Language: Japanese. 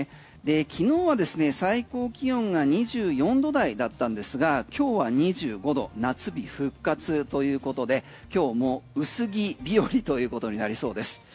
昨日はですね最高気温が２４度台だったんですが今日は２５度夏日復活ということで今日も薄着日和ということになりそうです。